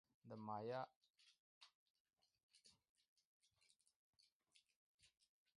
د مایا او ازتک او اینکا تمدنونه یې موضوعات دي.